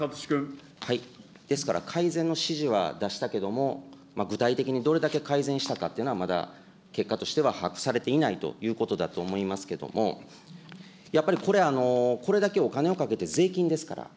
ですから改善の指示は出したけども、具体的にどれだけ改善したかというのは、まだ結果としては把握されていないということだと思いますけども、やっぱりこれ、これだけお金をかけて税金ですから。